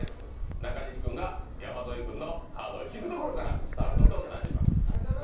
中西君が山添君のカードを引くところからスタートとなります。